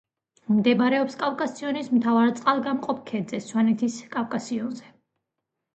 მდებარეობს კავკასიონის მთავარ წყალგამყოფ ქედზე, სვანეთის კავკასიონზე.